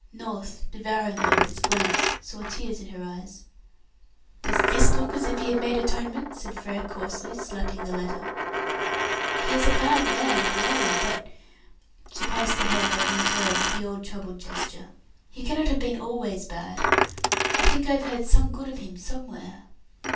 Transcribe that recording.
North, devouring her with his glance, saw tears in her eyes. "Does this look as if he had made atonement?" said Frere coarsely, slapping the letter. "He is a bad man, I know, but " she passed her hand over her forehead with the old troubled gesture "he cannot have been always bad. I think I have heard some good of him somewhere."